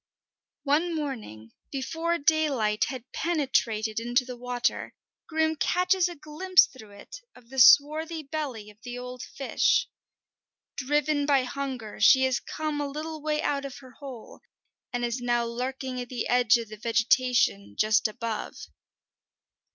One morning, before daylight had penetrated into the water, Grim catches a glimpse through it of the swarthy belly of the old fish. Driven by hunger, she has come a little way out of her hole, and is now lurking at the edge of the vegetation just above.